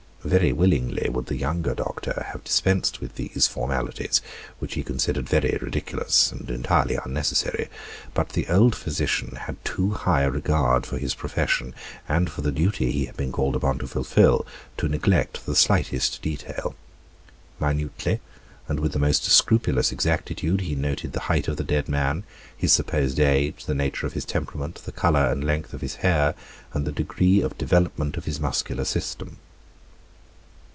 Very willingly would the younger doctor have dispensed with these formalities, which he considered very ridiculous, and entirely unnecessary; but the old physician had too high a regard for his profession, and for the duty he had been called upon to fulfil, to neglect the slightest detail. Minutely, and with the most scrupulous exactitude, he noted the height of the dead man, his supposed age, the nature of his temperament, the color and length of his hair, and the degree of development of his muscular system.